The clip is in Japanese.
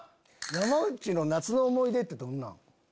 山内の夏の思い出ってどんなん？